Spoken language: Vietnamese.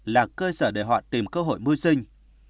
là cơ sở để họ tìm cơ hội mua sinh